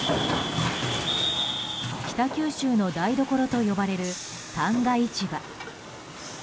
北九州の台所と呼ばれる旦過市場。